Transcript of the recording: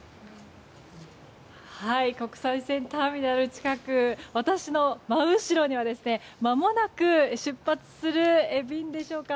国際線ターミナル近く私の真後ろにはまもなく出発する便でしょうか。